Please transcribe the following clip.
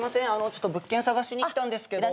ちょっと物件探しに来たんですけど。